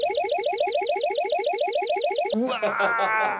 うわ！